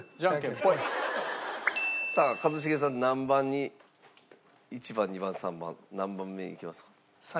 さあ一茂さん何番に１番２番３番何番目いきますか？